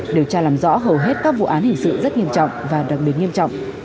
điều tra làm rõ hầu hết các vụ án hình sự rất nghiêm trọng và đặc biệt nghiêm trọng